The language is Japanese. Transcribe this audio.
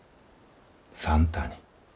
算太に。